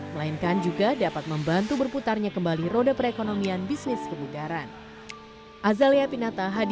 melainkan juga dapat membantu berputarnya kembali roda perekonomian bisnis kebugaran